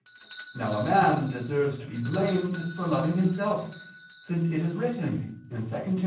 Now a man deserves to be blamed for loving himself, since it is written (2 Tim.